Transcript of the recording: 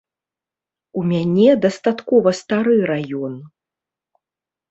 У мяне дастаткова стары раён.